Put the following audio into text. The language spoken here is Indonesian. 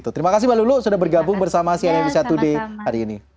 terima kasih mbak lulu sudah bergabung bersama sian indonesia today hari ini